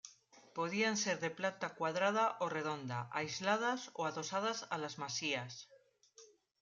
Podían ser de planta cuadrada o redonda, aisladas o adosadas a las masías.